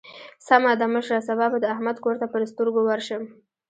سمه ده مشره؛ سبا به د احمد کور ته پر سترګو ورشم.